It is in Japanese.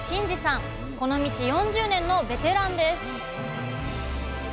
この道４０年のベテランです